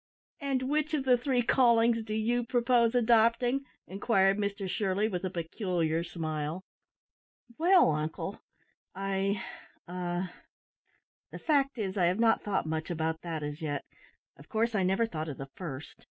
"And which of the three callings do you propose adopting?" inquired Mr Shirley, with a peculiar smile. "Well uncle, I a the fact is, I have not thought much about that as yet. Of course, I never thought of the first.